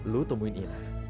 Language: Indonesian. lu temuin ina